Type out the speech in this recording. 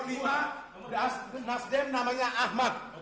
nasdem namanya ahmad